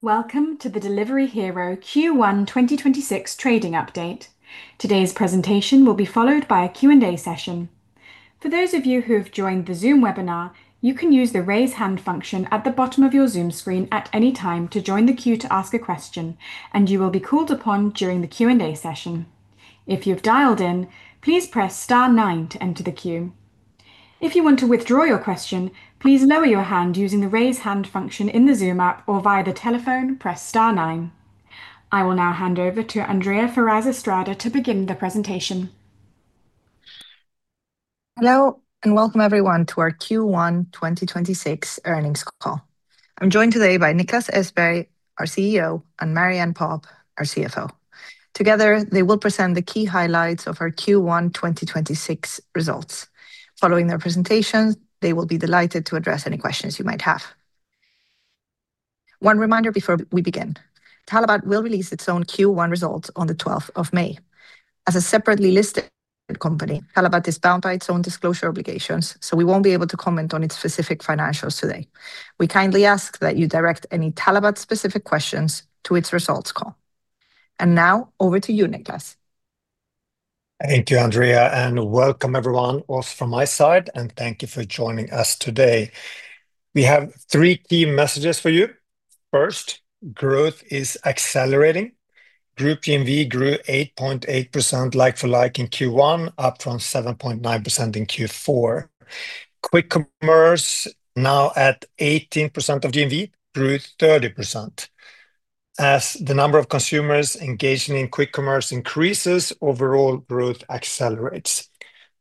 Welcome to the Delivery Hero Q1 2026 trading update. Today's presentation will be followed by a Q&A session. To those of you who have joined the Zoom webinar, you can use the raise hand function at the bottom of your Zoom screen at anytime to join the queue to ask a question and you will be called upon during the Q&A session. If you've dialed in, please press star nine to enter the queue. If you want to withdraw your question, please lower your hand using raise hand function in the Zoom or via the telephone, press star nine. I will now hand over to Andrea Ferraz Estrada to begin the presentation. Hello and welcome everyone to our Q1 2026 earnings call. I'm joined today by Niklas Östberg, our CEO, and Marie-Anne Popp, our CFO. Together, they will present the key highlights of our Q1 2026 results. Following their presentation, they will be delighted to address any questions you might have. One reminder before we begin. Talabat will release its own Q1 results on the 12th of May. As a separately listed company, talabat is bound by its own disclosure obligations, so we won't be able to comment on its specific financials today. We kindly ask that you direct any talabat specific questions to its results call. Now over to you, Niklas. Thank you, Andrea. Welcome everyone else from my side. Thank you for joining us today. We have three key messages for you. First, growth is accelerating. Group GMV grew 8.8% like-for-like in Q1, up from 7.9% in Q4. Quick commerce, now at 18% of GMV, grew 30%. As the number of consumers engaging in quick commerce increases, overall growth accelerates.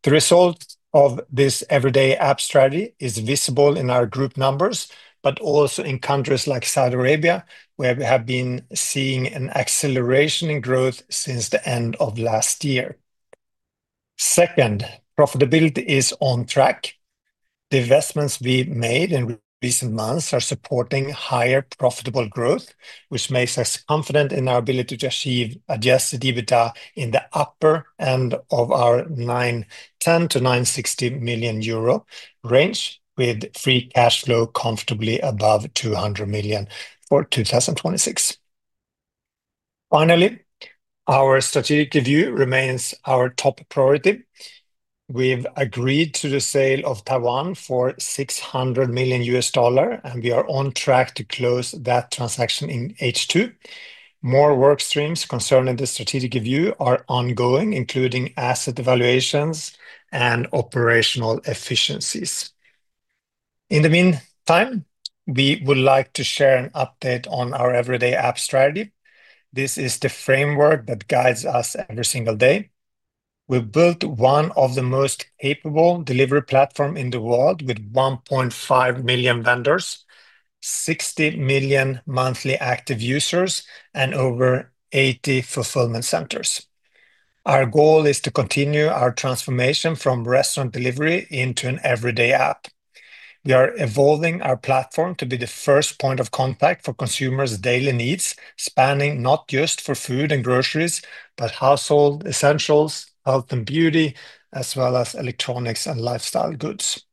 The result of this everyday app strategy is visible in our group numbers. Also in countries like Saudi Arabia, where we have been seeing an acceleration in growth since the end of last year. Second, profitability is on track. The investments we made in recent months are supporting higher profitable growth, which makes us confident in our ability to achieve adjusted EBITDA in the upper end of our 910 million-960 million euro range with free cash flow comfortably above 200 million for 2026. Finally, our strategic review remains our top priority. We've agreed to the sale of Taiwan for $600 million, and we are on track to close that transaction in H2. More work streams concerning the strategic review are ongoing, including asset evaluations and operational efficiencies. In the meantime, we would like to share an update on our everyday app strategy. This is the framework that guides us every single day. We've built one of the most capable delivery platform in the world with 1.5 million vendors, 60 million monthly active users, and over 80 fulfillment centers. Our goal is to continue our transformation from restaurant delivery into an Everyday App. We are evolving our platform to be the first point of contact for consumers' daily needs, spanning not just for food and groceries, but household essentials, health and beauty, as well as electronics and lifestyle goods.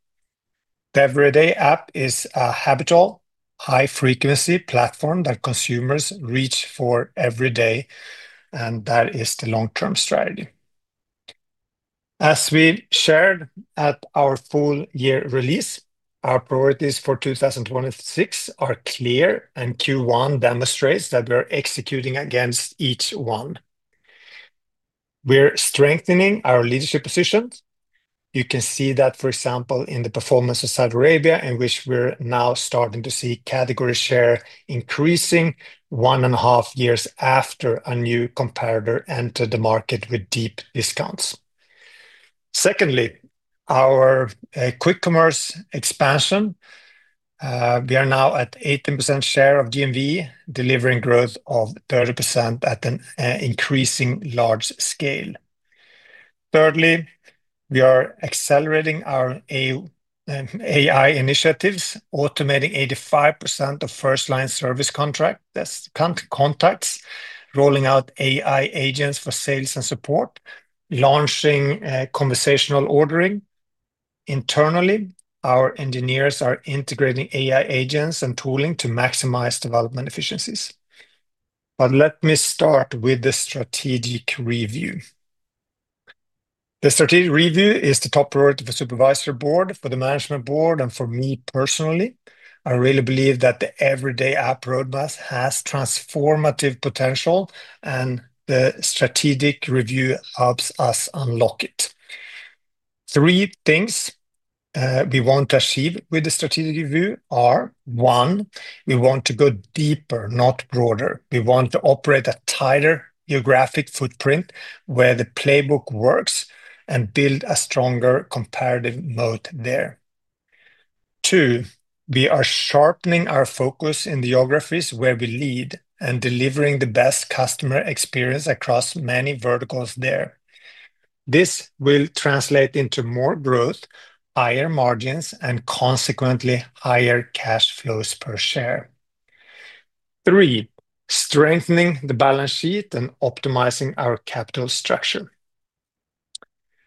The everyday app is a habitual high-frequency platform that consumers reach for every day, and that is the long-term strategy. As we shared at our full year release, our priorities for 2026 are clear, and Q1 demonstrates that we're executing against each one. We're strengthening our leadership positions. You can see that, for example, in the performance of Saudi Arabia, in which we're now starting to see category share increasing 1.5 years after a new competitor entered the market with deep discounts. Secondly, our quick commerce expansion. We are now at 18% share of GMV, delivering growth of 30% at an increasing large scale. Thirdly, we are accelerating our AI initiatives, automating 85% of first-line service contract. That's contacts, rolling out AI agents for sales and support, launching conversational ordering. Internally, our engineers are integrating AI agents and tooling to maximize development efficiencies. Let me start with the strategic review. The strategic review is the top priority for supervisory board, for the management board, and for me personally. I really believe that the Everyday App road map has transformative potential, and the strategic review helps us unlock it. Three things we want to achieve with the strategic review are, one, we want to go deeper, not broader. We want to operate a tighter geographic footprint where the playbook works and build a stronger competitive moat there. Two, we are sharpening our focus in geographies where we lead and delivering the best customer experience across many verticals there. This will translate into more growth, higher margins, and consequently higher cash flows per share. Three, strengthening the balance sheet and optimizing our capital structure.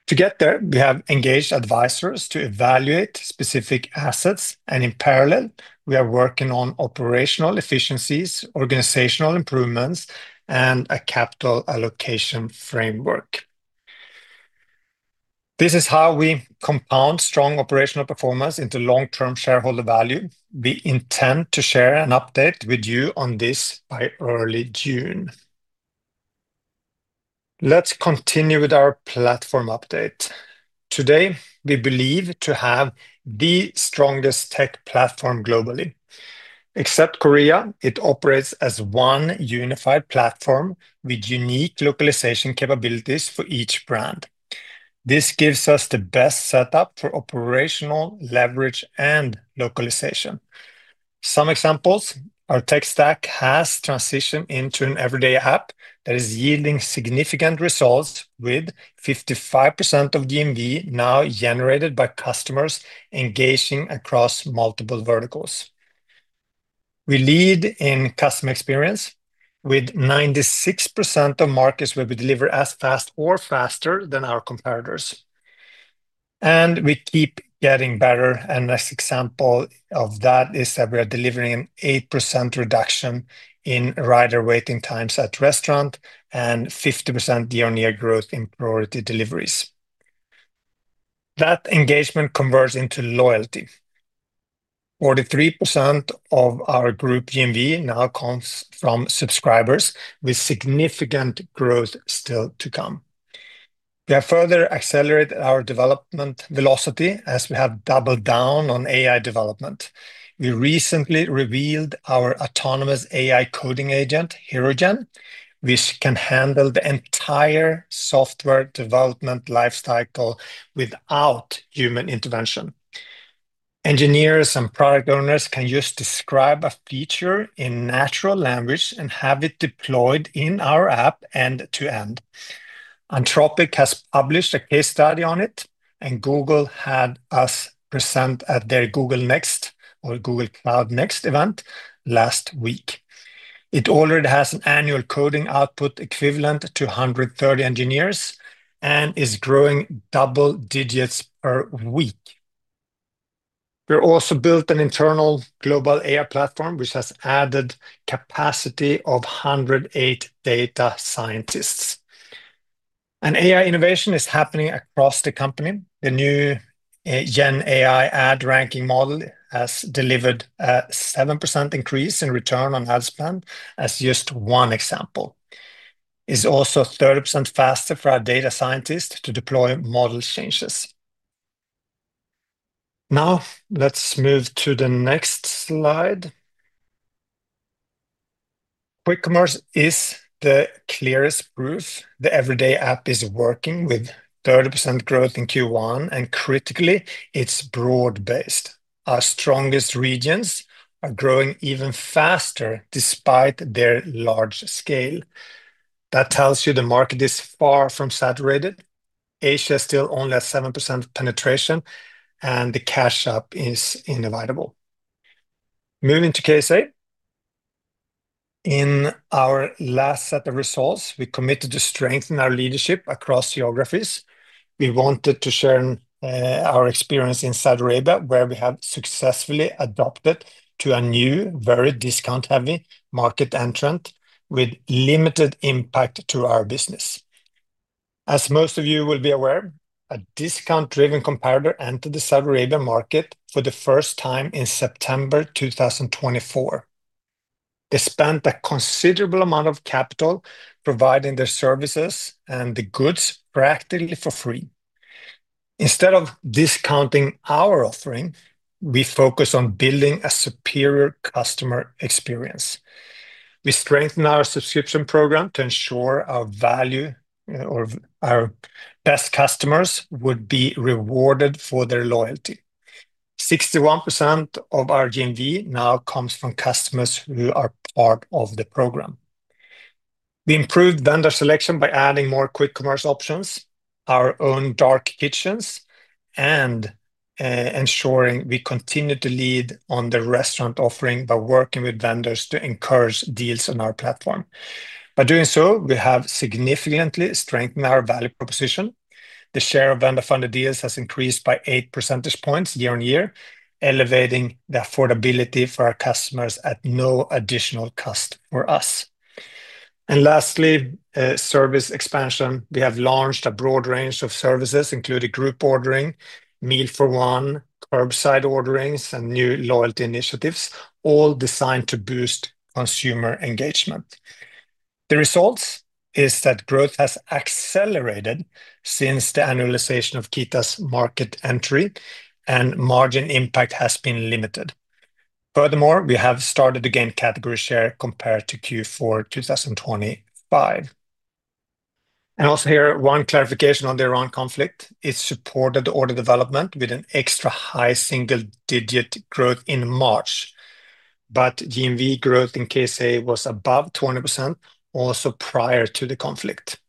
To get there, we have engaged advisors to evaluate specific assets, and in parallel, we are working on operational efficiencies, organizational improvements, and a capital allocation framework. This is how we compound strong operational performance into long-term shareholder value. We intend to share an update with you on this by early June. Let's continue with our platform update. Today, we believe to have the strongest tech platform globally. Except Korea, it operates as one unified platform with unique localization capabilities for each brand. This gives us the best setup for operational leverage and localization. Some examples, our tech stack has transitioned into an Everyday App that is yielding significant results with 55% of GMV now generated by customers engaging across multiple verticals. We lead in customer experience with 96% of markets where we deliver as fast or faster than our competitors, and we keep getting better. A nice example of that is that we are delivering an 8% reduction in rider waiting times at restaurant and 50% year-on-year growth in priority deliveries. That engagement converts into loyalty. 43% of our group GMV now comes from subscribers, with significant growth still to come. We have further accelerated our development velocity as we have doubled down on AI development. We recently revealed our autonomous AI coding agent, Herogen, which can handle the entire software development life cycle without human intervention. Engineers and product owners can just describe a feature in natural language and have it deployed in our app end to end. Anthropic has published a case study on it, and Google had us present at their Google Next or Google Cloud Next event last week. It already has an annual coding output equivalent to 130 engineers and is growing double digits per week. We have also built an internal global AI platform, which has added capacity of 108 data scientists. AI innovation is happening across the company. The new Gen AI ad ranking model has delivered a 7% increase in return on ad spend as just one example. It's also 30% faster for our data scientists to deploy model changes. Let's move to the next slide. Quick commerce is the clearest proof the Everyday App is working with 30% growth in Q1, and critically, it's broad-based. Our strongest regions are growing even faster despite their large scale. That tells you the market is far from saturated. Asia is still only at 7% penetration, and the catch-up is inevitable. Moving to KSA. In our last set of results, we committed to strengthen our leadership across geographies. We wanted to share our experience in Saudi Arabia, where we have successfully adapted to a new, very discount-heavy market entrant with limited impact to our business. As most of you will be aware, a discount-driven competitor entered the Saudi Arabian market for the first time in September 2024. They spent a considerable amount of capital providing their services and the goods practically for free. Instead of discounting our offering, we focused on building a superior customer experience. We strengthened our subscription program to ensure our value or our best customers would be rewarded for their loyalty. 61% of our GMV now comes from customers who are part of the program. We improved vendor selection by adding more quick commerce options, our own dark kitchens, and ensuring we continue to lead on the restaurant offering by working with vendors to encourage deals on our platform. By doing so, we have significantly strengthened our value proposition. The share of vendor-funded deals has increased by 8 percentage points year-on-year, elevating the affordability for our customers at no additional cost for us. Lastly, service expansion. We have launched a broad range of services, including group ordering, meal for one, curbside orderings, and new loyalty initiatives, all designed to boost consumer engagement. The results is that growth has accelerated since the annualization of Keeta's market entry, and margin impact has been limited. Furthermore, we have started to gain category share compared to Q4 2025. Also here, one clarification on the Iran conflict. It supported the order development with an extra high single-digit growth in March. GMV growth in KSA was above 20% also prior to the conflict.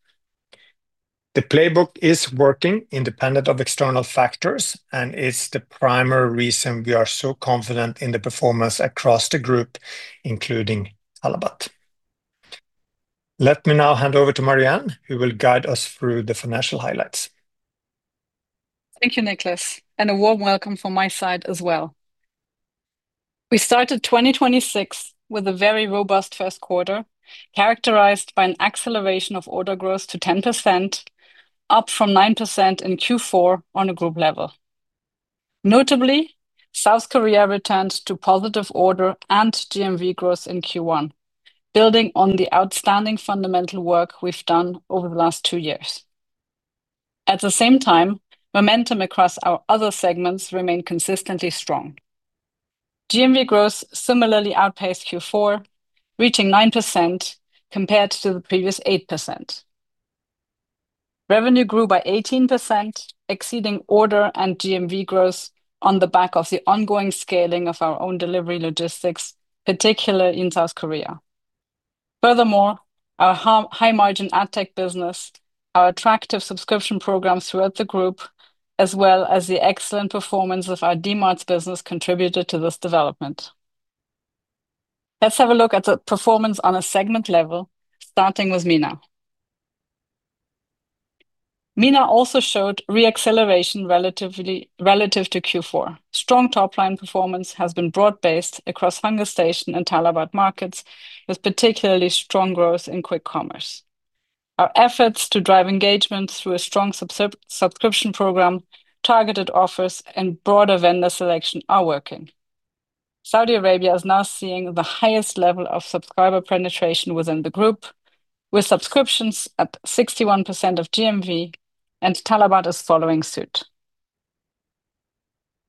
The playbook is working independent of external factors and is the primary reason we are so confident in the performance across the group, including talabat. Let me now hand over to Marie-Anne, who will guide us through the financial highlights. Thank you, Niklas. A warm welcome from my side as well. We started 2026 with a very robust first quarter, characterized by an acceleration of order growth to 10%, up from 9% in Q4 on a group level. Notably, South Korea returned to positive order and GMV growth in Q1, building on the outstanding fundamental work we've done over the last two years. At the same time, momentum across our other segments remain consistently strong. GMV growth similarly outpaced Q4, reaching 9% compared to the previous 8%. Revenue grew by 18%, exceeding order and GMV growth on the back of the ongoing scaling of our own delivery logistics, particularly in South Korea. Furthermore, our high margin AdTech business, our attractive subscription programs throughout the group, as well as the excellent performance of our Dmarts business contributed to this development. Let's have a look at the performance on a segment level, starting with MENA. MENA also showed re-acceleration relative to Q4. Strong top line performance has been broad-based across HungerStation and talabat markets, with particularly strong growth in quick commerce. Our efforts to drive engagement through a strong subscription program, targeted offers and broader vendor selection are working. Saudi Arabia is now seeing the highest level of subscriber penetration within the group, with subscriptions at 61% of GMV, and talabat is following suit.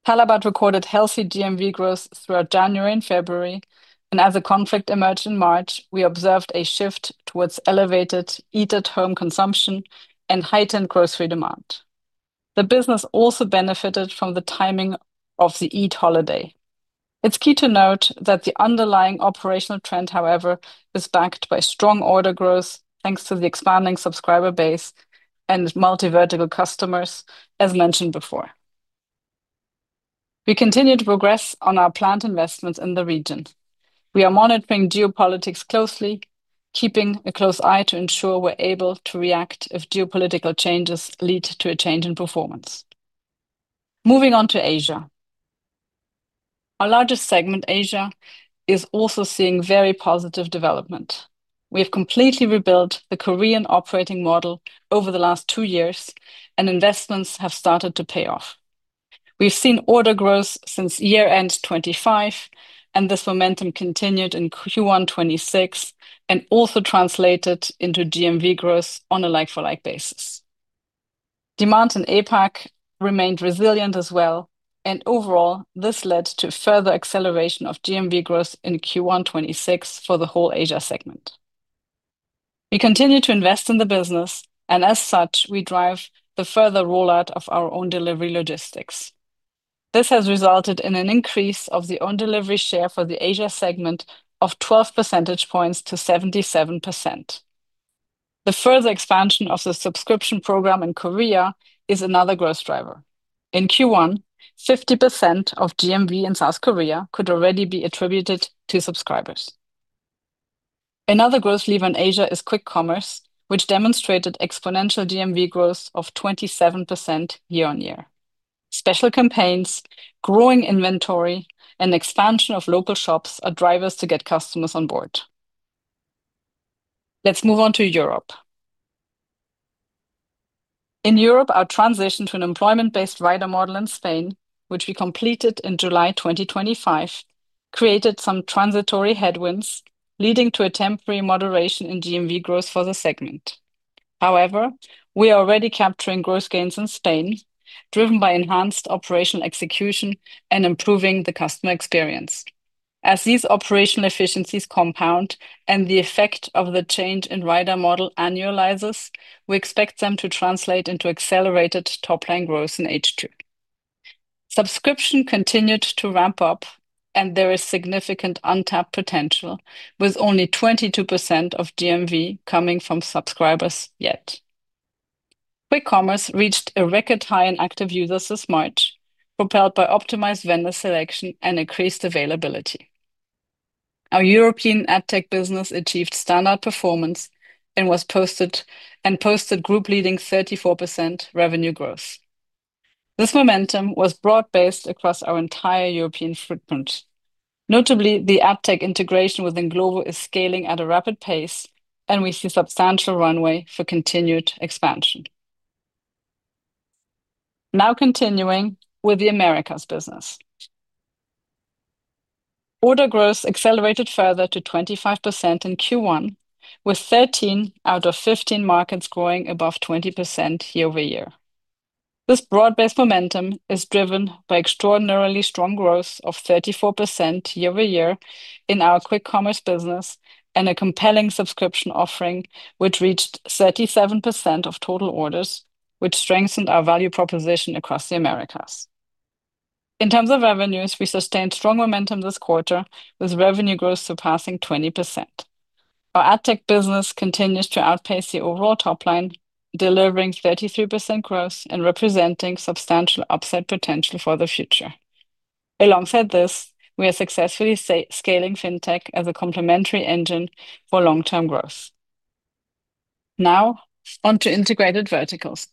Talabat recorded healthy GMV growth throughout January and February, and as a conflict emerged in March, we observed a shift towards elevated eat-at-home consumption and heightened grocery demand. The business also benefited from the timing of the Eid holiday. It's key to note that the underlying operational trend, however, is backed by strong order growth thanks to the expanding subscriber base and multi-vertical customers, as mentioned before. We continue to progress on our plant investments in the region. We are monitoring geopolitics closely, keeping a close eye to ensure we're able to react if geopolitical changes lead to a change in performance. Moving on to Asia. Our largest segment, Asia, is also seeing very positive development. We have completely rebuilt the Korean operating model over the last two years, and investments have started to pay off. We've seen order growth since year end 2025, and this momentum continued in Q1 2026 and also translated into GMV growth on a like-for-like basis. Demand in APAC remained resilient as well, and overall, this led to further acceleration of GMV growth in Q1 2026 for the whole Asia segment. We continue to invest in the business. As such, we drive the further rollout of our own delivery logistics. This has resulted in an increase of the own delivery share for the Asia segment of 12 percentage points to 77%. The further expansion of the subscription program in Korea is another growth driver. In Q1, 50% of GMV in South Korea could already be attributed to subscribers. Another growth lever in Asia is quick commerce, which demonstrated exponential GMV growth of 27% year-on-year. Special campaigns, growing inventory, expansion of local shops are drivers to get customers on board. Let's move on to Europe. In Europe, our transition to an employment-based rider model in Spain, which we completed in July 2025, created some transitory headwinds, leading to a temporary moderation in GMV growth for the segment. However, we are already capturing growth gains in Spain, driven by enhanced operational execution and improving the customer experience. As these operational efficiencies compound and the effect of the change in rider model annualizes, we expect them to translate into accelerated top line growth in H2. Subscription continued to ramp up, and there is significant untapped potential, with only 22% of GMV coming from subscribers yet. Quick commerce reached a record high in active users this March, propelled by optimized vendor selection and increased availability. Our European AdTech business achieved standard performance and posted group leading 34% revenue growth. This momentum was broad-based across our entire European footprint. Notably, the AdTech integration within Glovo is scaling at a rapid pace, and we see substantial runway for continued expansion. Continuing with the Americas business. Order growth accelerated further to 25% in Q1, with 13 out of 15 markets growing above 20% year-over-year. This broad-based momentum is driven by extraordinarily strong growth of 34% year-over-year in our quick commerce business and a compelling subscription offering, which reached 37% of total orders, which strengthened our value proposition across the Americas. In terms of revenues, we sustained strong momentum this quarter, with revenue growth surpassing 20%. Our AdTech business continues to outpace the overall top line, delivering 33% growth and representing substantial upside potential for the future. Alongside this, we are successfully scaling Fintech as a complimentary engine for long-term growth. Now, onto integrated verticals.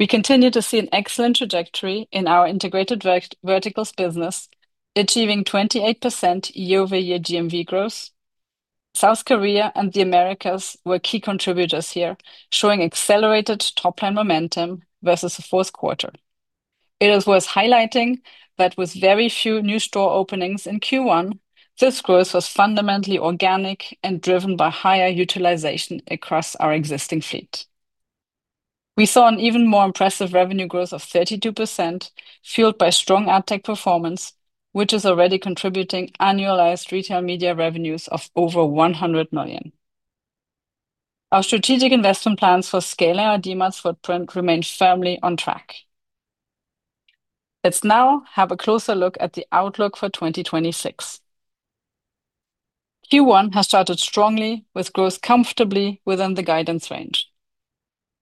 We continue to see an excellent trajectory in our integrated verticals business, achieving 28% year-over-year GMV growth. South Korea and the Americas were key contributors here, showing accelerated top line momentum versus the fourth quarter. It is worth highlighting that with very few new store openings in Q1, this growth was fundamentally organic and driven by higher utilization across our existing fleet. We saw an even more impressive revenue growth of 32% fueled by strong AdTech performance, which is already contributing annualized retail media revenues of over 100 million. Our strategic investment plans for scaling our Dmarts footprint remain firmly on track. Let's now have a closer look at the outlook for 2026. Q1 has started strongly with growth comfortably within the guidance range.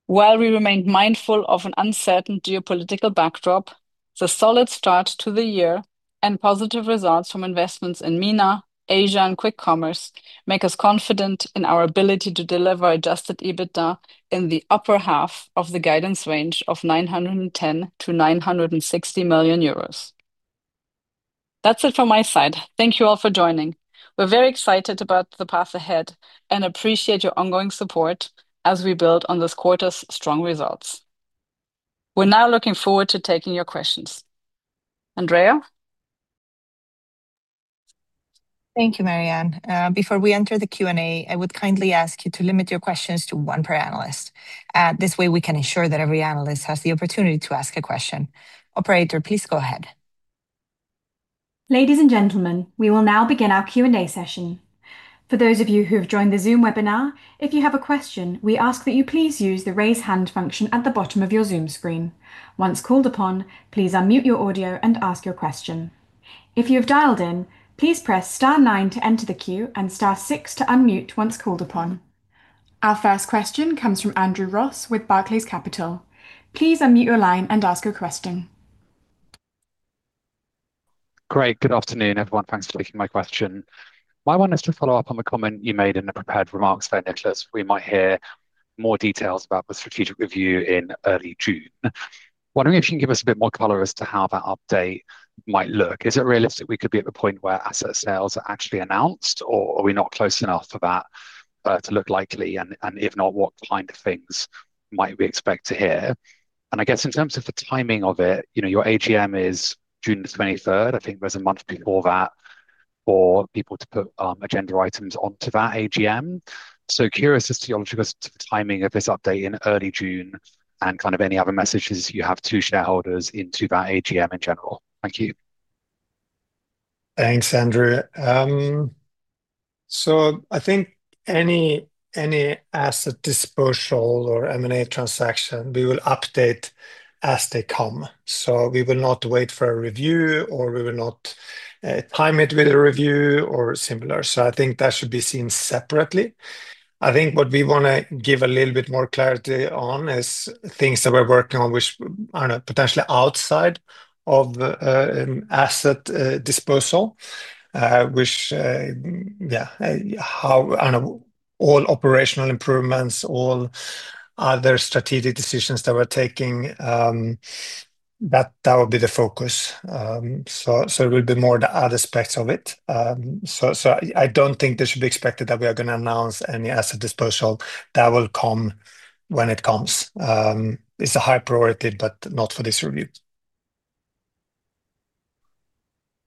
While we remain mindful of an uncertain geopolitical backdrop, the solid start to the year and positive results from investments in MENA, Asia, and quick commerce make us confident in our ability to deliver adjusted EBITDA in the upper half of the guidance range of 910 million-960 million euros. That's it for my side. Thank you all for joining. We're very excited about the path ahead and appreciate your ongoing support as we build on this quarter's strong results. We're now looking forward to taking your questions. Andrea? Thank you, Marie-Anne. Before we enter the Q&A, I would kindly ask you to limit your questions to one per analyst. This way, we can ensure that every analyst has the opportunity to ask a question. Operator, please go ahead. Ladies and gentlemen, we will now begin our Q&A session. For those of you who've joined the Zoom webinar, if you have a question, we ask that you please use the raise hand function at the bottom of your Zoom screen. Once called upon, please unmute your audio and ask your question. If you've dialed in, please press star nine to enter the queue and star six to unmute once called upon. Our first question comes from Andrew Ross with Barclays Capital. Please unmute your line and ask your question. Great. Good afternoon, everyone. Thanks for taking my question. I wanted to follow up on the comment you made in the prepared remarks there, Niklas. We might hear more details about the strategic review in early June. Wondering if you can give us a bit more color as to how that update might look? Is it realistic we could be at the point where asset sales are actually announced or are we not close enough for that to look likely? If not, what kind of things might we expect to hear? I guess in terms of the timing of it, you know, your AGM is June the 23rd. I think there's a month before that for people to put agenda items onto that AGM. Curious as to the timing of this update in early June and kind of any other messages you have to shareholders into that AGM in general. Thank you. Thanks, Andrew. I think any asset dispersal or M&A transaction, we will update as they come. We will not wait for a review or we will not time it with a review or similar. I think that should be seen separately. I think what we wanna give a little bit more clarity on is things that we're working on which are not potentially outside of the asset dispersal. Which all operational improvements, all other strategic decisions that we're taking, that would be the focus. I don't think this should be expected that we are gonna announce any asset dispersal. That will come when it comes. It's a high priority, but not for this review.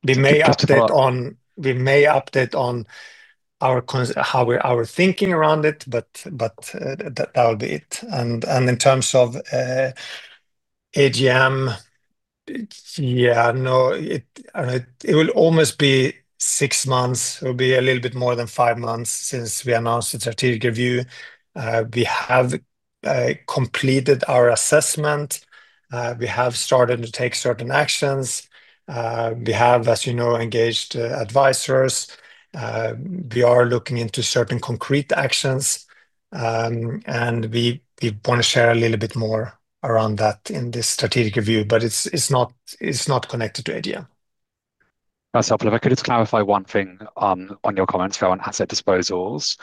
We may update on our thinking around it, but that'll be it. In terms of AGM, it will almost be six months. It'll be a little bit more than five months since we announced the strategic review. We have completed our assessment. We have started to take certain actions. We have, as you know, engaged advisors. We are looking into certain concrete actions. We wanna share a little bit more around that in this strategic review, but it's not connected to AGM. That's helpful. If I could just clarify one thing on your comments there on asset disposals.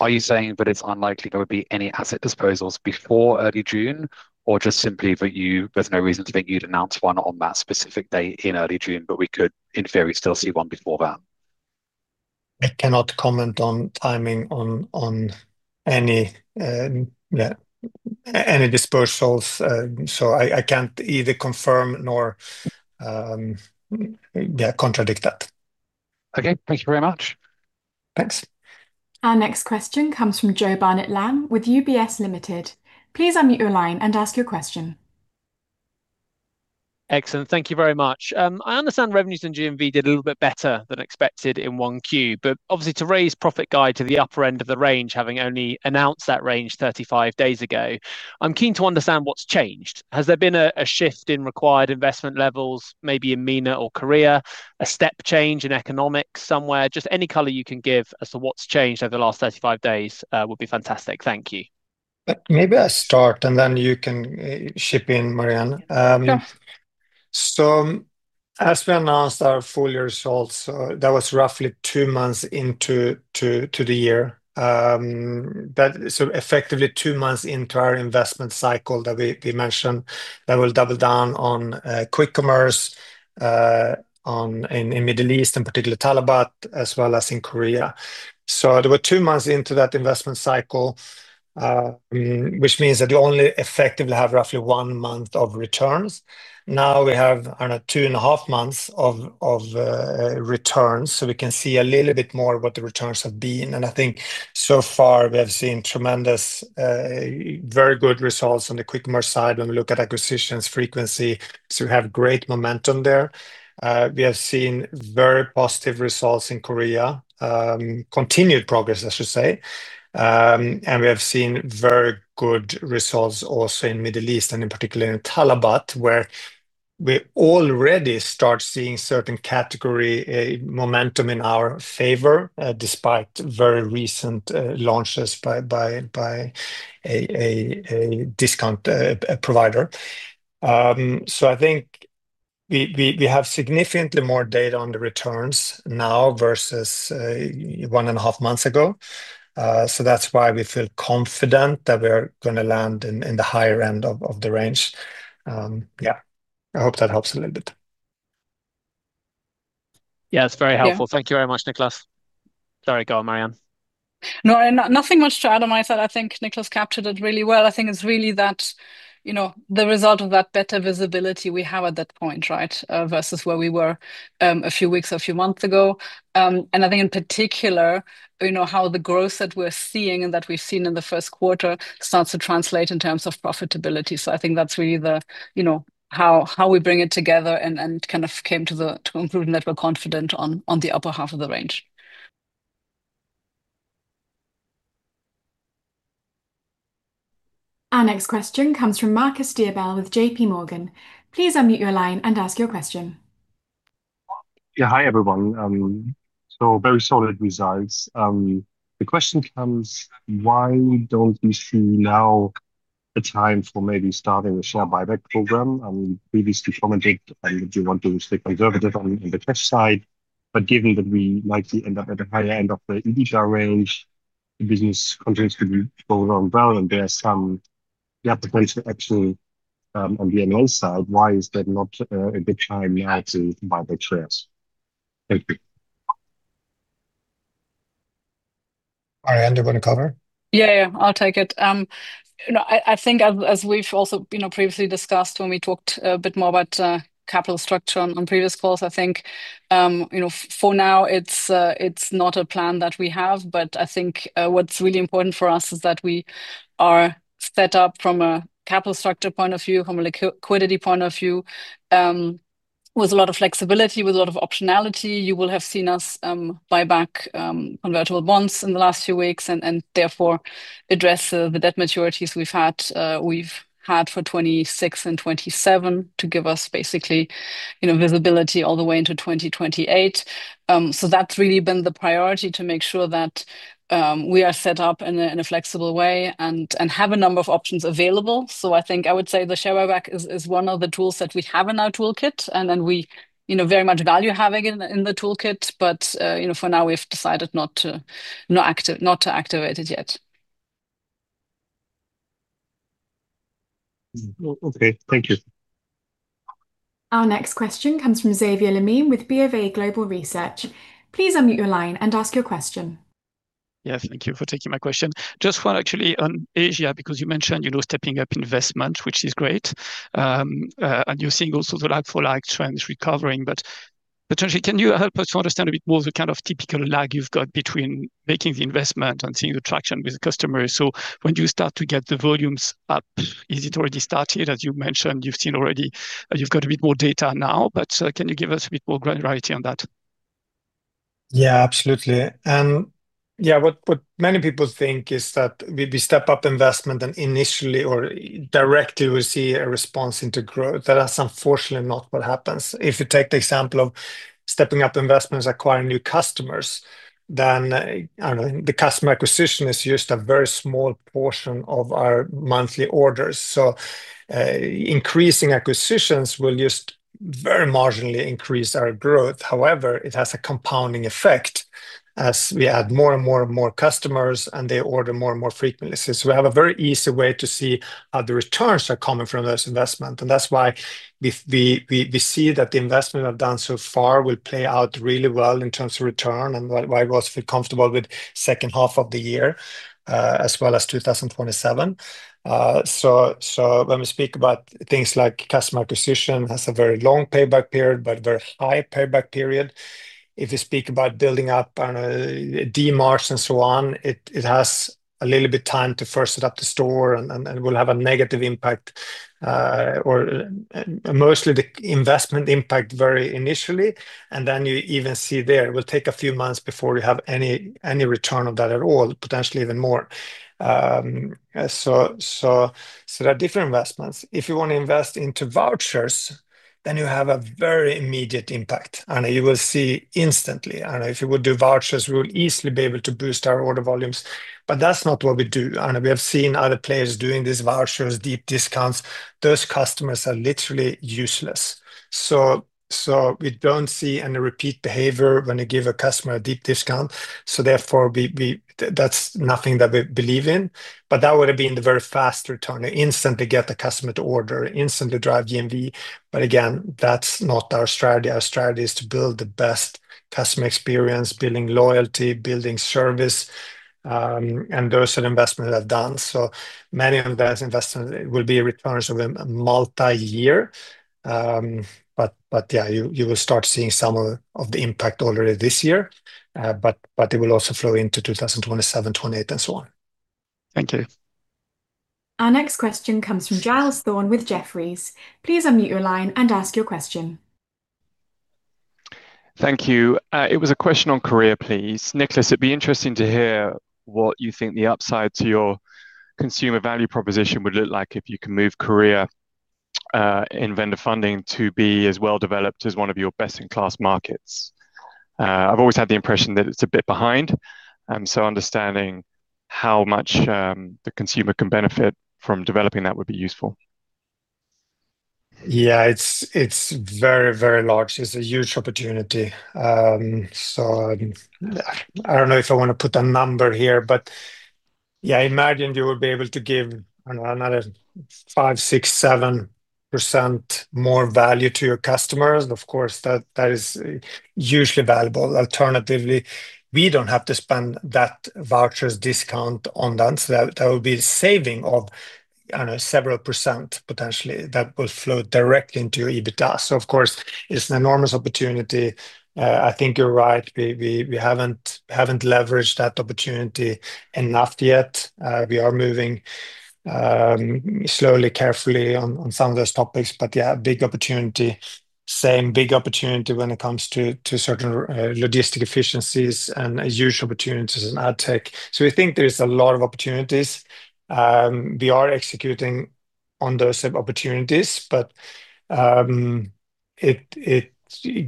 Are you saying that it's unlikely there would be any asset disposals before early June or just simply that there's no reason to think you'd announce one on that specific day in early June, but we could, in theory, still see one before that? I cannot comment on timing on any dispersals. I can't either confirm nor contradict that. Okay. Thank you very much. Thanks. Our next question comes from Jo Barnet-Lamb with UBS Limited. Please unmute your line and ask your question. Excellent. Thank you very much. I understand revenues and GMV did a little bit better than expected in 1Q. Obviously, to raise profit guide to the upper end of the range, having only announced that range 35 days ago, I'm keen to understand what's changed. Has there been a shift in required investment levels, maybe in MENA or Korea, a step change in economics somewhere? Just any color you can give as to what's changed over the last 35 days would be fantastic. Thank you. Maybe I start and then you can chip in, Marie-Anne. Sure. So as we announced our full year results, that was roughly two months into the year. Effectively two months into our investment cycle that we mentioned that we'll double down on quick commerce in Middle East, in particular talabat, as well as in Korea. There were two months into that investment cycle, which means that you only effectively have roughly one month of returns. Now we have, I don't know, 2.5 months of returns, we can see a little bit more what the returns have been. I think so far we have seen tremendous, very good results on the quick commerce side when we look at acquisitions frequency. We have great momentum there. We have seen very positive results in Korea. Continued progress I should say. We have seen very good results also in Middle East and in particular in talabat, where we already start seeing certain category momentum in our favor, despite very recent launches by a discount provider. I think we have significantly more data on the returns now versus 1.5 months ago. That's why we feel confident that we're gonna land in the higher end of the range. I hope that helps a little bit. It's very helpful. Yeah. Thank you very much, Niklas. Sorry, go on, Marie-Anne. Nothing much to add on my side. I think Niklas captured it really well. I think it's really that, you know, the result of that better visibility we have at that point, right? Versus where we were a few weeks or a few months ago. I think in particular, you know, how the growth that we're seeing and that we've seen in the first quarter starts to translate in terms of profitability. I think that's really the, you know, how we bring it together and kind of came to conclude that we're confident on the upper half of the range. Our next question comes from Marcus Diebel with JPMorgan. Please unmute your line and ask your question. Yeah. Hi, everyone. Very solid results. The question comes, why don't you see now the time for maybe starting a share buyback program? Previously commented that you want to stay conservative on the cash side, but given that we might end up at the higher end of the EBITDA range, the business continues to be going on well. You have the potential actually on the ML side. Why is there not a good time now to buy back shares? Thank you. Marie-Anne, do you want to cover? Yeah, yeah. I'll take it. No, I think as we've also, you know, previously discussed when we talked a bit more about capital structure on previous calls, I think, you know, for now, it's not a plan that we have. I think what's really important for us is that we are set up from a capital structure point of view, from a liquidity point of view, with a lot of flexibility, with a lot of optionality. You will have seen us buy back convertible bonds in the last few weeks and therefore address the debt maturities we've had, we've had for 2026 and 2027 to give us basically, you know, visibility all the way into 2028. That's really been the priority, to make sure that we are set up in a flexible way and have a number of options available. I think I would say the share buyback is one of the tools that we have in our toolkit and that we, you know, very much value having in the toolkit. You know, for now, we've decided not to activate it yet. Well, okay. Thank you. Our next question comes from Xavier Le Mené with BofA Global Research. Please unmute your line and ask your question. Yeah, thank you for taking my question. Just one actually on Asia, because you mentioned, you know, stepping up investment, which is great. You're seeing also the like-for-like trends recovering. Potentially can you help us to understand a bit more the kind of typical lag you've got between making the investment and seeing the traction with customers? When do you start to get the volumes up? Is it already started? As you mentioned, you've seen already, you've got a bit more data now, but can you give us a bit more granularity on that? Absolutely. What many people think is that we step up investment and initially or directly we see a response into growth. That is unfortunately not what happens. If you take the example of stepping up investments, acquiring new customers, the customer acquisition is just a very small portion of our monthly orders. Increasing acquisitions will just very marginally increase our growth. However, it has a compounding effect as we add more and more and more customers and they order more and more frequently. We have a very easy way to see how the returns are coming from those investment. That's why we see that the investment we've done so far will play out really well in terms of return and why we also feel comfortable with second half of the year, as well as 2027. When we speak about things like customer acquisition has a very long payback period, but very high payback period. If you speak about building up, I don't know, a Dmarts and so on, it has a little bit time to first set up the store and will have a negative impact. Or mostly the investment impact very initially, then you even see there it will take a few months before you have any return on that at all, potentially even more. There are different investments. If you want to invest into vouchers, you have a very immediate impact, and you will see instantly. I don't know, if you would do vouchers, we would easily be able to boost our order volumes. That's not what we do. I know we have seen other players doing these vouchers, deep discounts. Those customers are literally useless. So we don't see any repeat behavior when you give a customer a deep discount, so therefore we. That's nothing that we believe in. That would have been the very fast return. You instantly get the customer to order, instantly drive GMV. Again, that's not our strategy. Our strategy is to build the best customer experience, building loyalty, building service, and those are investments that are done. Many of those investments will be a return of a multi-year. Yeah, you will start seeing some of the impact already this year. It will also flow into 2027, 2028, and so on. Thank you. Our next question comes from Giles Thorne with Jefferies. Please unmute your line and ask your question. Thank you. It was a question on Korea, please. Niklas, it'd be interesting to hear what you think the upside to your consumer value proposition would look like if you can move Korea, in vendor funding to be as well-developed as one of your best-in-class markets. I've always had the impression that it's a bit behind, so understanding how much the consumer can benefit from developing that would be useful. Yeah. It's very, very large. It's a huge opportunity. I don't know if I want to put a number here, but I imagine you will be able to give, I don't know, another 5%, 6%, 7% more value to your customers. Of course, that is hugely valuable. Alternatively, we don't have to spend that voucher's discount on dance. That would be a saving of, I don't know, several percent potentially that will flow directly into your EBITDA. Of course, it's an enormous opportunity. I think you're right. We haven't leveraged that opportunity enough yet. We are moving slowly, carefully on some of those topics. Big opportunity. Same big opportunity when it comes to certain logistic efficiencies and huge opportunities in AdTech. We think there's a lot of opportunities. We are executing on those opportunities, but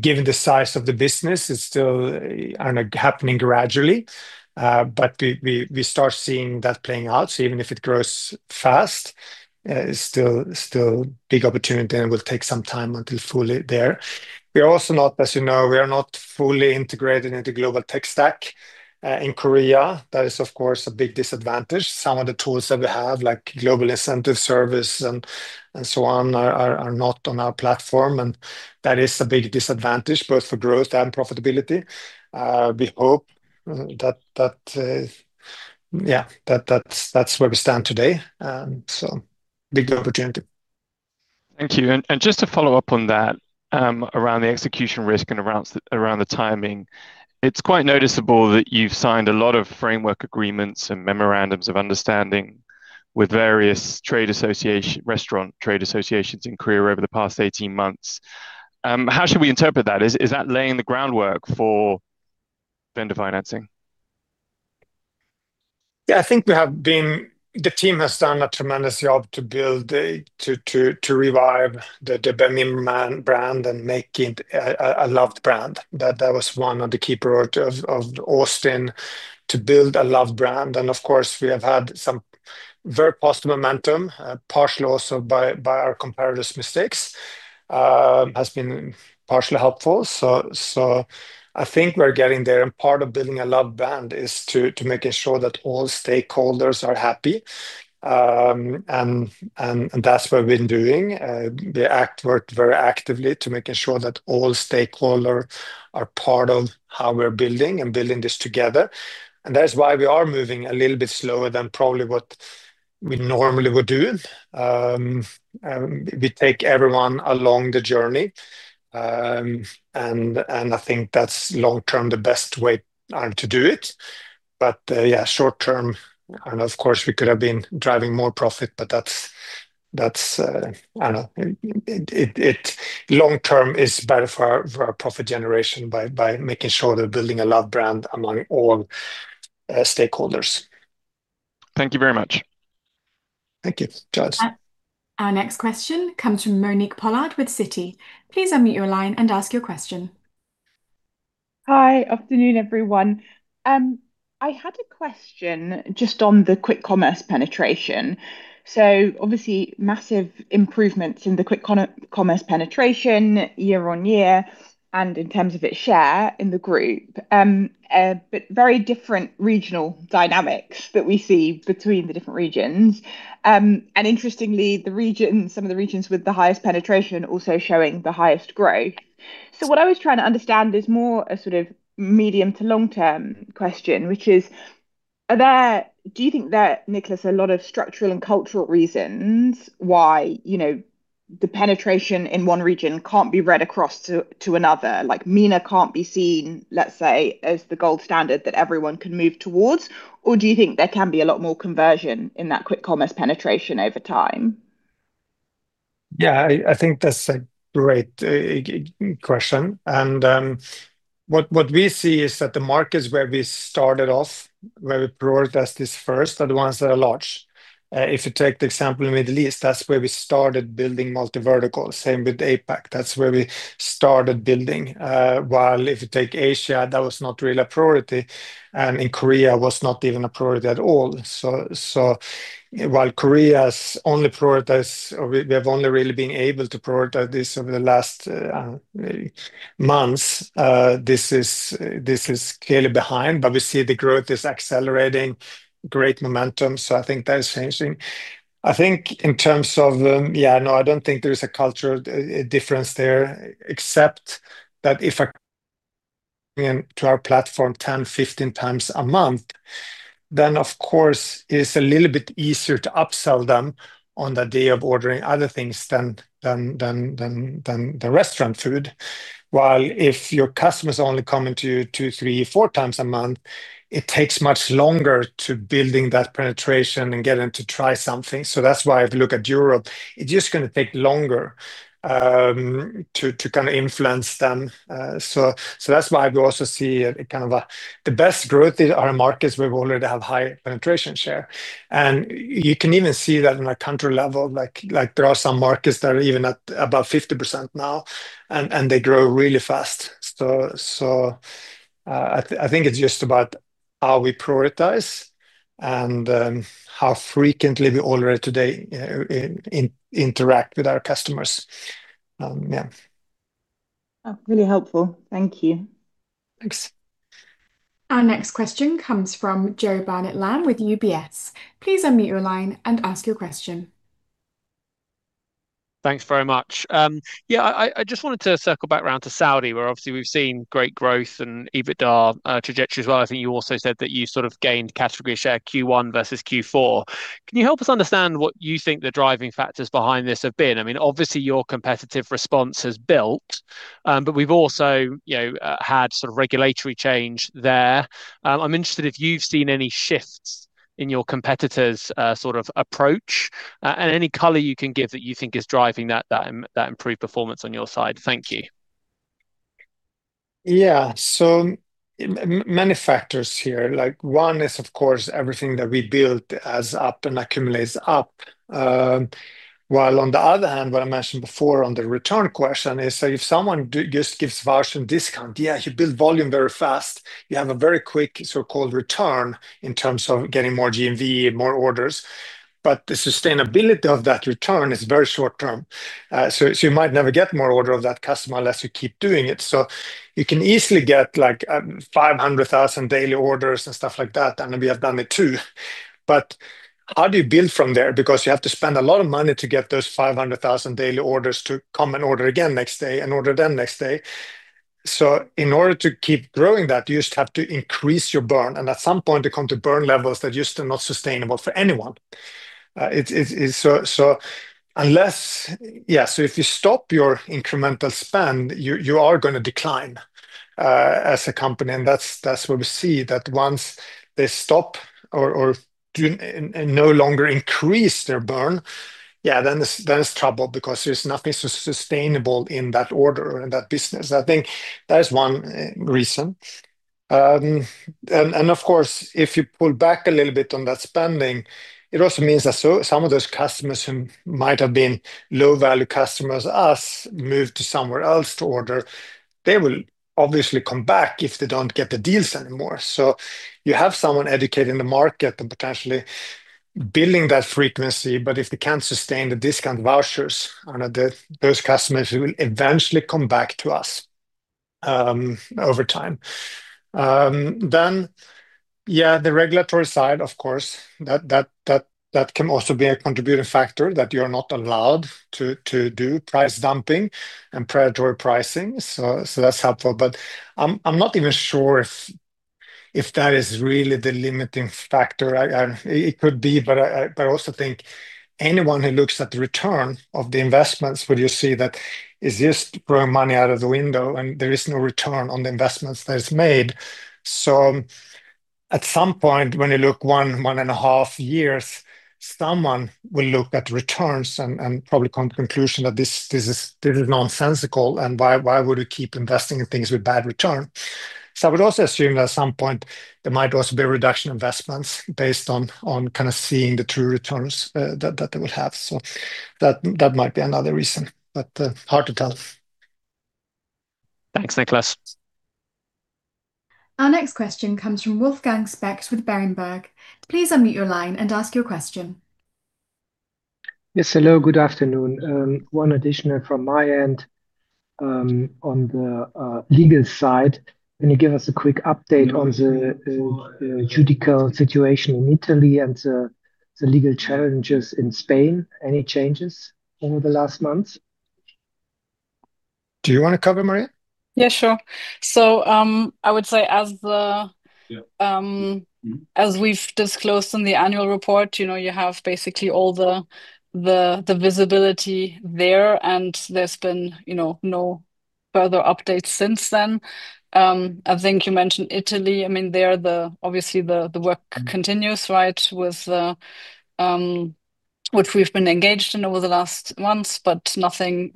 given the size of the business, it's still, I don't know, happening gradually. We start seeing that playing out. Even if it grows fast, it's still a big opportunity, and it will take some time until fully there. We are also not, as you know, we are not fully integrated into global tech stack, in Korea. That is, of course, a big disadvantage. Some of the tools that we have, like global incentive service and so on, are not on our platform, and that is a big disadvantage both for growth and profitability. We hope that, yeah, that's where we stand today. Big opportunity. Thank you. Just to follow up on that, around the execution risk and around the timing, it's quite noticeable that you've signed a lot of framework agreements and memorandums of understanding with various restaurant trade associations in Korea over the past 18 months. How should we interpret that? Is that laying the groundwork for vendor financing? Yeah. I think the team has done a tremendous job to build, to revive the Baemin brand and make it a loved brand. That was one of the key priorities of Austin, to build a loved brand. Of course, we have had some very positive momentum, partially also by our competitors' mistakes. Has been partially helpful. I think we're getting there. Part of building a loved brand is making sure that all stakeholders are happy. That's what we've been doing. We work very actively to making sure that all stakeholders are part of how we're building this together. That's why we are moving a little bit slower than probably what we normally would do. We take everyone along the journey. I think that's long-term the best way to do it. Yeah, short term, and of course, we could have been driving more profit. I don't know. It long term is better for our profit generation by making sure they're building a loved brand among all stakeholders. Thank you very much. Thank you, Giles. Our next question comes from Monique Pollard with Citi. Please unmute your line and ask your question. Hi. Afternoon, everyone. I had a question just on the quick commerce penetration. Obviously, massive improvements in the quick commerce penetration year-on-year and in terms of its share in the group. Very different regional dynamics that we see between the different regions. Interestingly, the regions, some of the regions with the highest penetration also showing the highest growth. What I was trying to understand is more a sort of medium to long-term question, which is, do you think there, Niklas, a lot of structural and cultural reasons why, you know, the penetration in one region can't be read across to another? Like MENA can't be seen, let's say, as the gold standard that everyone can move towards. Do you think there can be a lot more conversion in that quick commerce penetration over time? Yeah, I think that's a great question. What we see is that the markets where we started off, where we prioritized this first are the ones that are large. If you take the example in Middle East, that's where we started building multi-vertical. Same with APAC. That's where we started building. While if you take Asia, that was not really a priority, and in Korea was not even a priority at all. While Korea's only prioritized or we have only really been able to prioritize this over the last months, this is clearly behind. We see the growth is accelerating, great momentum, so I think that is changing. I think in terms of, yeah, no, I don't think there is a cultural difference there. Except that if, to our platform 10x, 15x a month, Of course it's a little bit easier to upsell them on the day of ordering other things than the restaurant food. While if your customer's only coming to you 2x, 3x, 4x a month, it takes much longer to building that penetration and get them to try something. That's why if you look at Europe, it's just gonna take longer to kind of influence them. That's why we also see. The best growth is our markets where we already have high penetration share. You can even see that in a country level, like there are some markets that are even at about 50% now, and they grow really fast. I think it's just about how we prioritize and how frequently we already today interact with our customers. Yeah. Oh, really helpful. Thank you. Thanks. Our next question comes from Jo Barnet-Lamb with UBS. Please unmute your line and ask your question. Thanks very much. Yeah, I just wanted to circle back round to Saudi, where obviously we've seen great growth and EBITDA trajectory as well. I think you also said that you sort of gained category share Q1 versus Q4. Can you help us understand what you think the driving factors behind this have been? I mean obviously, your competitive response has built, we've also, you know, had sort of regulatory change there. I'm interested if you've seen any shifts in your competitors' sort of approach and any color you can give that you think is driving that improved performance on your side. Thank you. Yeah. Many factors here. Like one is, of course, everything that we built adds up and accumulates up. While on the other hand, what I mentioned before on the return question is that if someone just gives voucher and discount, yeah, you build volume very fast. You have a very quick so-called return in terms of getting more GMV and more orders, but the sustainability of that return is very short term. You might never get more order of that customer unless you keep doing it. You can easily get like 500,000 daily orders and stuff like that, and we have done it too. How do you build from there? Because you have to spend a lot of money to get those 500,000 daily orders to come and order again next day and order then next day. In order to keep growing that, you just have to increase your burn, and at some point it come to burn levels that just are not sustainable for anyone. It's unless if you stop your incremental spend, you are gonna decline as a company, and that's what we see, that once they stop or no longer increase their burn, it's trouble because there's nothing sustainable in that order or in that business. I think that is one reason. Of course if you pull back a little bit on that spending, it also means that some of those customers who might have been low-value customers as us move to somewhere else to order, they will obviously come back if they don't get the deals anymore. You have someone educating the market and potentially building that frequency, but if they can't sustain the discount vouchers, you know, those customers will eventually come back to us over time. Yeah, the regulatory side, of course. That can also be a contributing factor, that you're not allowed to do price dumping and predatory pricing. That's helpful. I'm not even sure if that is really the limiting factor. It could be, but I also think anyone who looks at the return of the investments will just see that it's just throwing money out of the window and there is no return on the investments that is made. At some point, when you look 1.5 years, someone will look at returns and probably come to conclusion that this is nonsensical, and why would we keep investing in things with bad return? I would also assume that at some point there might also be a reduction in investments based on kind of seeing the true returns that they will have. That might be another reason, but hard to tell. Thanks, Niklas. Our next question comes from Wolfgang Specht with Berenberg. Please unmute your line and ask your question. Yes, hello, good afternoon. One additional from my end, on the legal side. Can you give us a quick update on the judicial situation in Italy and the legal challenges in Spain? Any changes over the last month? Do you want to cover, Marie-Anne? Yeah, sure. As we've disclosed in the annual report, you know, you have basically all the, the visibility there, and there's been, you know, no further updates since then. I think you mentioned Italy. I mean, there the, obviously the work continues, right? With the, which we've been engaged in over the last months, but nothing,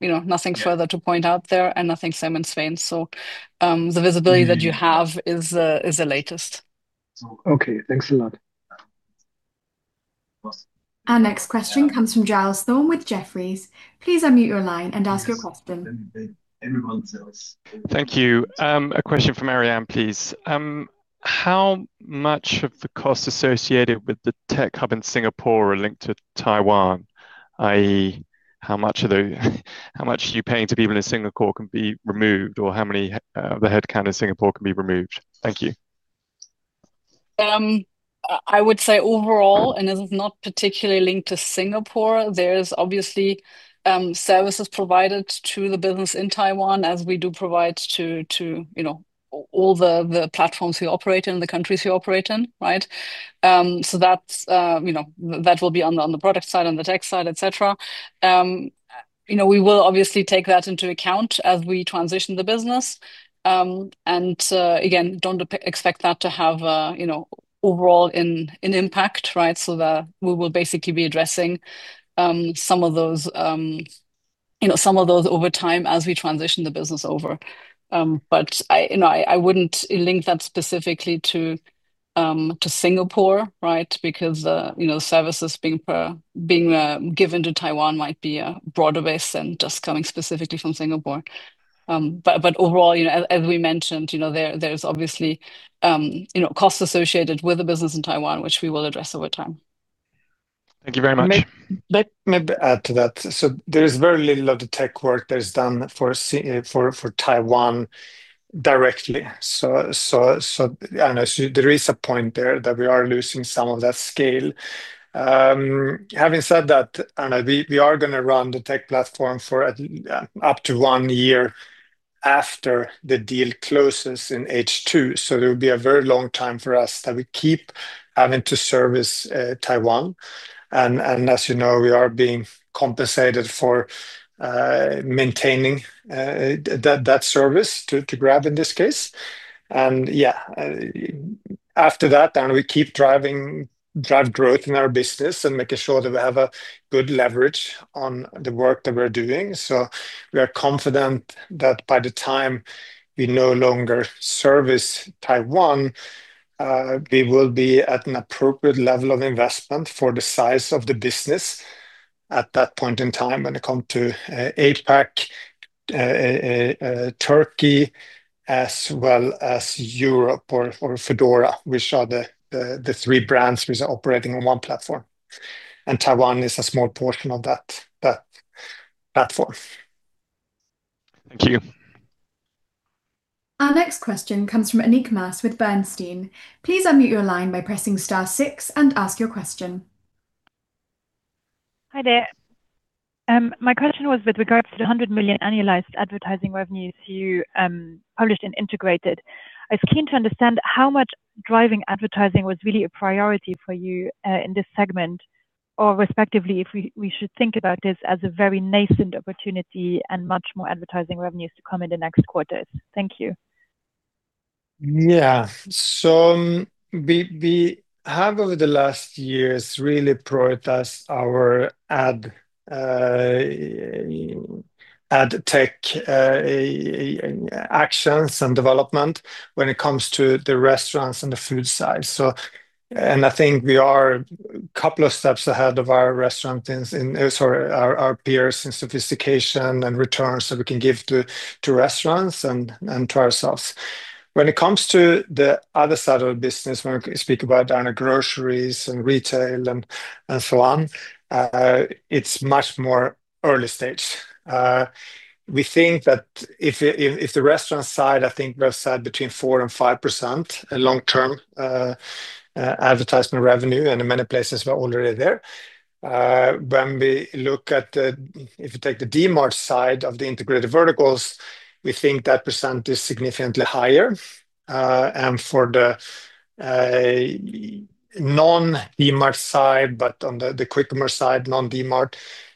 you know, nothing further to point out there, and I think same in Spain. The visibility that you have is the latest. Okay. Thanks a lot. Our next question comes from Giles Thorne with Jefferies. Please unmute your line and ask your question. Everyone says- Thank you. A question for Marie-Anne, please. How much of the costs associated with the tech hub in Singapore are linked to Taiwan? I.e., how much are you paying to people in Singapore can be removed or how many of the headcount in Singapore can be removed? Thank you. I would say overall, and this is not particularly linked to Singapore, there's obviously services provided to the business in Taiwan as we do provide to you know all the platforms we operate in, the countries we operate in, right? That's you know that will be on the product side, on the tech side, et cetera. You know, we will obviously take that into account as we transition the business. Again, don't expect that to have a you know overall an impact, right? We will basically be addressing some of those you know over time as we transition the business over. I you know wouldn't link that specifically to Singapore, right? Because, you know, services being given to Taiwan might be a broader base than just coming specifically from Singapore. Overall, you know, as we mentioned, you know, there's obviously, you know, costs associated with the business in Taiwan, which we will address over time. Thank you very much. May I maybe add to that? There is very little of the tech work that is done for Taiwan directly. There is a point there that we are losing some of that scale. Having said that, we are gonna run the tech platform for up to one year after the deal closes in H2, so it'll be a very long time for us that we keep having to service Taiwan. As you know, we are being compensated for maintaining that service to Grab in this case. Yeah, after that then we keep driving growth in our business and making sure that we have a good leverage on the work that we're doing. We are confident that by the time we no longer service Taiwan, we will be at an appropriate level of investment for the size of the business at that point in time when it come to APAC, Turkey, as well as Europe or foodora, which are the three brands which are operating on one platform. Taiwan is a small portion of that platform. Thank you. Our next question comes from Annick Maas with Bernstein. Please unmute your line by pressing star six and ask your question. Hi there. My question was with regards to the 100 million annualized advertising revenues you published and integrated. I was keen to understand how much driving advertising was really a priority for you in this segment or respectively if we should think about this as a very nascent opportunity and much more advertising revenues to come in the next quarters. Thank you. Yeah. We have over the last years really prioritized our AdTech actions and development when it comes to the restaurants and the food side. I think we are a couple of steps ahead of our restaurants and sort of our peers in sophistication and returns we can give to restaurants and to ourselves. When it comes to the other side of the business when we speak about our groceries and retail and so on, it's much more early stage. We think that if the restaurant side, I think we've said between 4%-5% in long-term advertisement revenue, and in many places we're already there. If you take the Dmart side of the integrated verticals, we think that percent is significantly higher. For the non-Dmart side, but on the quick commerce side, non-Dmart,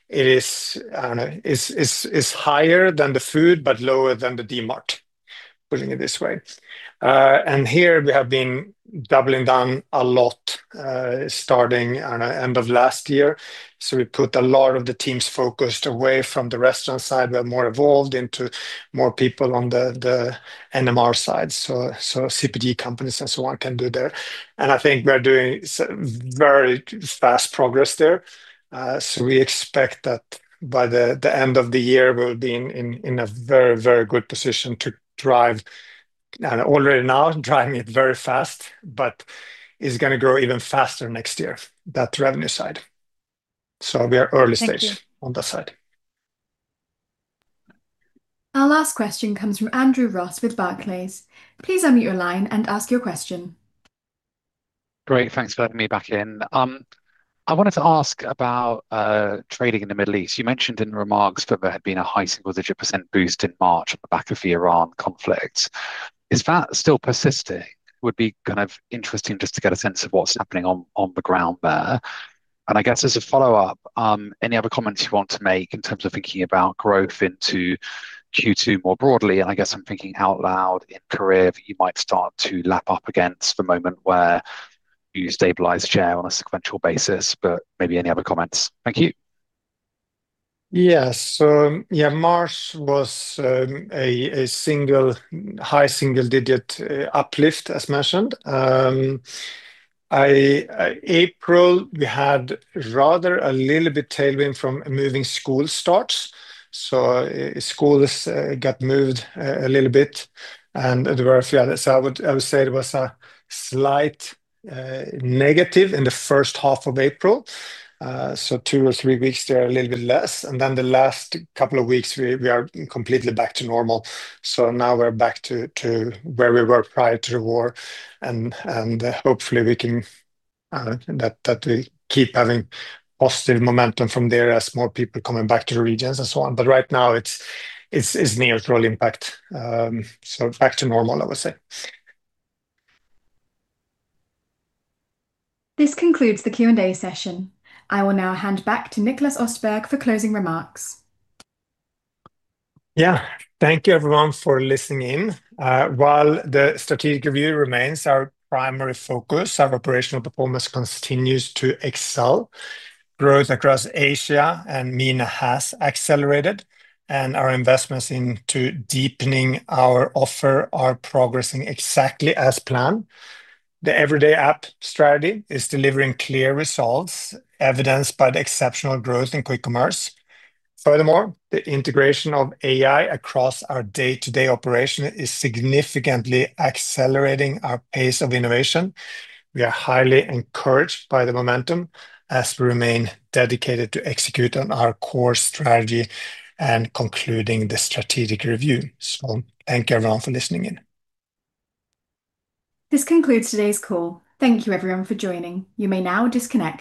it is, I don't know, is higher than the food but lower than the Dmart, putting it this way. Here we have been doubling down a lot, starting on end of last year. We put a lot of the teams focused away from the restaurant side. We are more evolved into more people on the NMR side. CPG companies and so on can do there. I think we are doing very fast progress there. We expect that by the end of the year we will be in a very good position to drive. Already now driving it very fast, but it is going to grow even faster next year, that revenue side. We are early stage- Thank you On that side. Our last question comes from Andrew Ross with Barclays. Please unmute your line and ask your question. Great. Thanks for letting me back in. I wanted to ask about trading in the Middle East. You mentioned in remarks that there had been a high single-digit percent boost in March on the back of the Iran conflict. Is that still persisting? Would be kind of interesting just to get a sense of what's happening on the ground there. I guess as a follow-up, any other comments you want to make in terms of thinking about growth into Q2 more broadly? I guess I'm thinking out loud in Korea that you might start to lap up against the moment where you stabilize share on a sequential basis, but maybe any other comments. Thank you. Yes. March was a single, high single-digit uplift as mentioned. April we had rather a little bit tailwind from moving school starts. Schools got moved a little bit and there were a few others. I would say it was a slight negative in the first half of April. Two or three weeks there, a little bit less. The last couple of weeks we are completely back to normal. Now we're back to where we were prior to the war and hopefully that will keep having positive momentum from there as more people coming back to the regions and so on. Right now it's near no impact. Back to normal, I would say. This concludes the Q&A session. I will now hand back to Niklas Östberg for closing remarks. Thank you everyone for listening in. While the strategic review remains our primary focus, our operational performance continues to excel. Growth across Asia and MENA has accelerated, and our investments into deepening our offer are progressing exactly as planned. The Everyday App strategy is delivering clear results, evidenced by the exceptional growth in quick commerce. Furthermore, the integration of AI across our day-to-day operation is significantly accelerating our pace of innovation. We are highly encouraged by the momentum as we remain dedicated to execute on our core strategy and concluding the strategic review. Thank you everyone for listening in. This concludes today's call. Thank you everyone for joining. You may now disconnect.